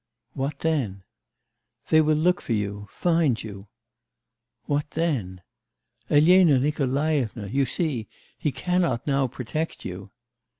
'What then?' 'They will look for you find you ' 'What then?' 'Elena Nikolaevna! You see. He cannot now protect you.